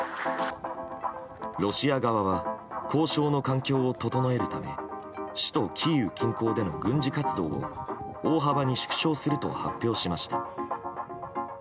ロシア側は交渉の環境を整えるため首都キーウ近郊での軍事活動を大幅に縮小すると発表しました。